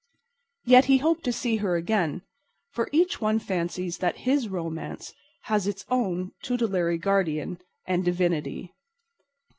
Yet he hoped to see her again; for each one fancies that his romance has its own tutelary guardian and divinity.